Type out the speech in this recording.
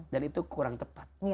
dan itu kurang tepat